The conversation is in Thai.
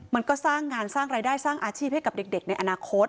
มันก็สร้างงานสร้างรายได้สร้างอาชีพให้กับเด็กในอนาคต